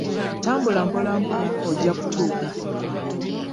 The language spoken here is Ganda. Tambula mpola mpola ojja kutuuka.